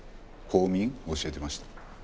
公民教えてました。